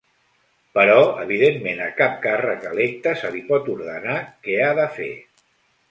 Però evidentment a cap càrrec electe se li pot ordenar què ha de fer.